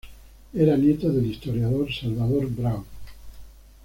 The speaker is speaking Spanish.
Era nieto del historiador Salvador Brau.